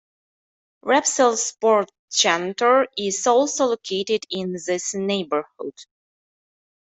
Repsol Sport Centre is also located in this neighbourhood.